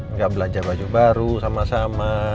nggak belanja baju baru sama sama